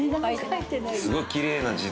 すごいきれいな字で。